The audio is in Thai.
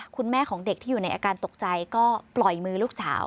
คุณแม่ของเด็กที่อยู่ในอาการตกใจก็ปล่อยมือลูกสาว